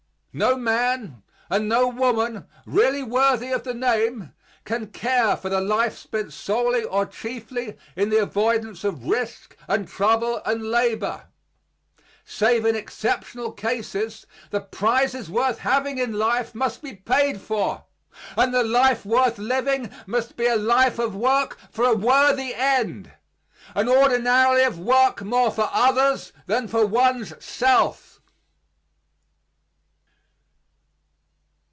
No man and no woman really worthy of the name can care for the life spent solely or chiefly in the avoidance of risk and trouble and labor. Save in exceptional cases the prizes worth having in life must be paid for, and the life worth living must be a life of work for a worthy end, and ordinarily of work more for others than for one's self.